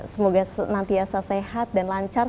semoga nanti asal sehat dan lancar